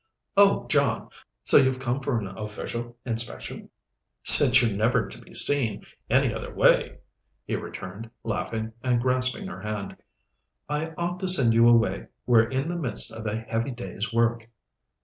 "Oh, John! So you've come for an official inspection?" "Since you're never to be seen any other way," he returned, laughing, and grasping her hand. "I ought to send you away; we're in the midst of a heavy day's work."